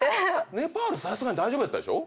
ネパール大丈夫やったでしょ？